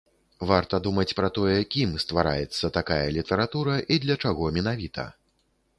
Варта думаць пра тое, кім ствараецца такая літаратура і для чаго менавіта.